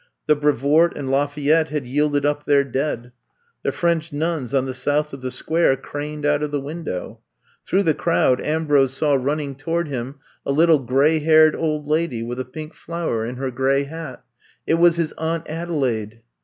The Brevoort and Lafayette had yielded up their dead. The French nuns on the south of the Square craned out of the window. Through the crowd Ambrose saw run I'VE COMB TO STAY 189 ning toward him a little gray haired old lady with a pink flower in her gray hat It was his Aunt Adelaide.